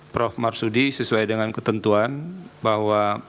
prof marsudi sesuai dengan ketentuan bahwa